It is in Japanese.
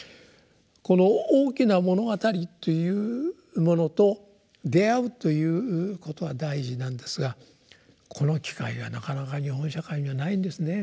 この「大きな物語」っていうものとであうということは大事なんですがこの機会がなかなか日本社会にはないんですね。